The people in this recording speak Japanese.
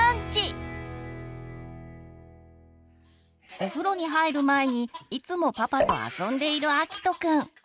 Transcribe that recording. お風呂に入る前にいつもパパと遊んでいるあきとくん。